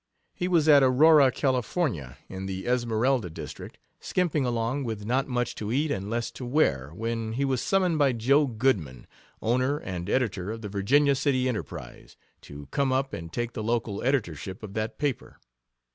He was at Aurora, California, in the Esmeralda district, skimping along, with not much to eat and less to wear, when he was summoned by Joe Goodman, owner and editor of the Virginia City Enterprise, to come up and take the local editorship of that paper.